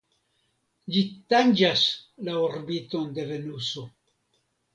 Ĝi tanĝas la orbiton de Venuso.